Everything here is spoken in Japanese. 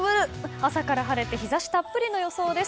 朝から晴れて日差したっぷりの予想です。